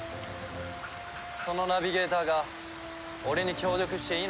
そのナビゲーターが俺に協力していいのか？